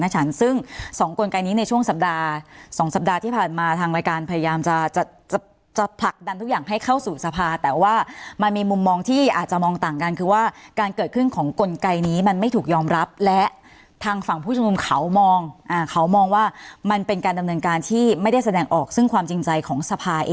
ฉันซึ่งสองกลไกนี้ในช่วงสัปดาห์๒สัปดาห์ที่ผ่านมาทางรายการพยายามจะจะผลักดันทุกอย่างให้เข้าสู่สภาแต่ว่ามันมีมุมมองที่อาจจะมองต่างกันคือว่าการเกิดขึ้นของกลไกนี้มันไม่ถูกยอมรับและทางฝั่งผู้ชมนุมเขามองเขามองว่ามันเป็นการดำเนินการที่ไม่ได้แสดงออกซึ่งความจริงใจของสภาเอง